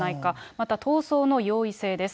また逃走の容易性です。